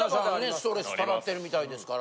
ストレスたまってるみたいですから。